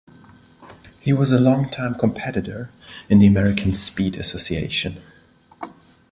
He was a long-time competitor in the American Speed Association.